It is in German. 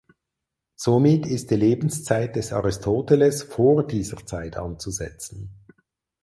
Somit ist die Lebenszeit des Aristoteles vor dieser Zeit anzusetzen.